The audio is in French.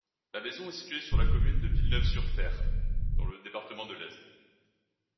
La maison est située sur la commune de Villeneuve-sur-Fère, dans le département de l'Aisne.